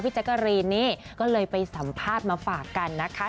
แจ๊กกะรีนนี่ก็เลยไปสัมภาษณ์มาฝากกันนะคะ